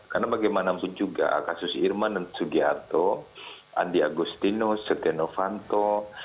karena bagaimanapun juga kasus irman dan sugianto andi agostino sete novanto